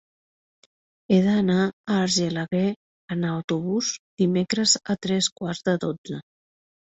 He d'anar a Argelaguer amb autobús dimecres a tres quarts de dotze.